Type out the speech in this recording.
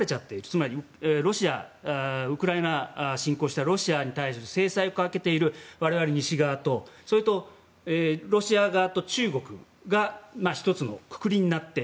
つまり、ウクライナに侵攻したロシアに対して制裁をかけている我々、西側とそれとロシア側と中国が１つのくくりになって